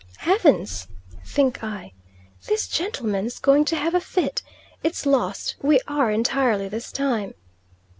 Heavens! think I, this gentleman's going to have a fit; it's lost we are entirely this time.